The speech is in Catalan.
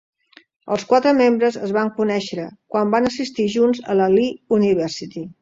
Els quatre membres es van conèixer quan van assistir junts a la Lee University.